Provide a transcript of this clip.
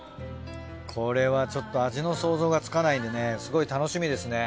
これはちょっと味の想像がつかないんでねすごい楽しみですね。